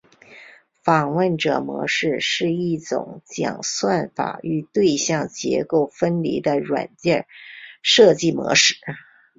访问者模式是一种将算法与对象结构分离的软件设计模式。